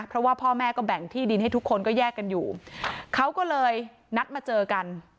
เพราะว่าพ่อแม่ก็แบ่งที่ดินให้ทุกคนก็แยกกันอยู่เขาก็เลยนัดมาเจอกัน